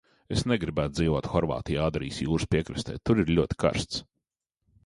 Es negribētu dzīvot Horvātijā, Adrijas jūras piekrastē, tur ir ļoti karsts.